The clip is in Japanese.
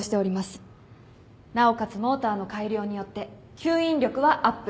なおかつモーターの改良によって吸引力はアップ。